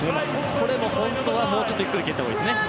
これも本当はもう少しゆっくり蹴ったほうがいいですね。